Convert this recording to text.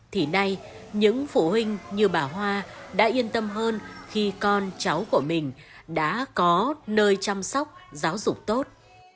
thì nay những phụ huynh như bà hoa đã yên tâm hơn khi con cháu của mình đã có nơi chăm sóc giáo dục tốt